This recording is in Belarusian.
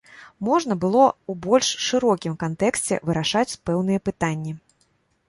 Можна было ў больш шырокім кантэксце вырашаць пэўныя пытанні.